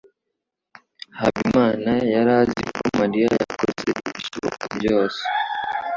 Habimana yari azi ko Mariya yakoze ibishoboka byose.